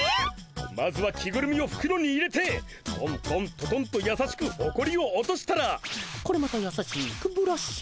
まずは着ぐるみをふくろに入れてトントントトンとやさしくほこりを落としたらこれまたやさしくブラッシングだ。